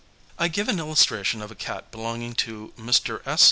I give an illustration of a cat belonging to Mr. S.